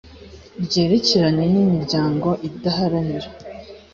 ryerekeranye n imiryango idaharanira